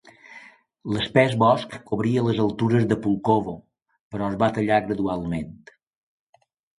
L'espès bosc cobria les altures de Pulkovo, però es va tallar gradualment.